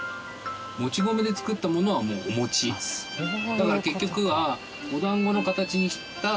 だから結局は。